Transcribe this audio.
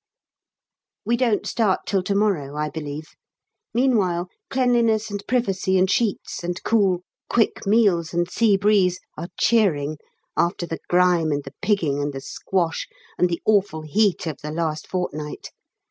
We don't start till to morrow, I believe; meanwhile, cleanliness and privacy and sheets, and cool, quick meals and sea breeze, are cheering after the grime and the pigging and the squash and the awful heat of the last fortnight.